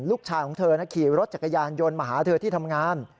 ลูกชายของเธอขี่รถจักรยานยนต์มาหาเธอที่ทำงาน